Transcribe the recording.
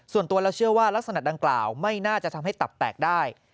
ส่วนตัวเราเชื่อว่ารักษณะดังกล่าวไม่น่าจะทำให้ตับแตกได้